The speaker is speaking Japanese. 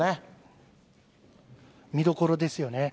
見どころですよね。